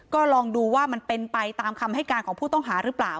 ก็ลองดูว่ามันเป็นไปตามคำให้การของผู้ต้องหาหรือเปล่า